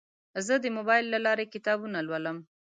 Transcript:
زه د موبایل له لارې کتابونه لولم.